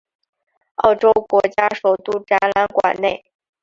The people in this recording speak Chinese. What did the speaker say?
澳洲国家首都展览馆内。